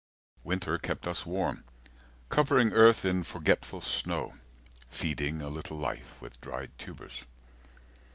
Winter kept us warm, covering Earth in forgetful snow, feeding A little life with dried tubers.